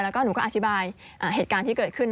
แล้วก็หนูก็อธิบายเหตุการณ์ที่เกิดขึ้น